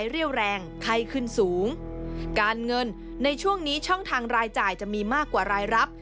เรี่ยวแรงไข้ขึ้นสูงการเงินในช่วงนี้ช่องทางรายจ่ายจะมีมากกว่ารายรับ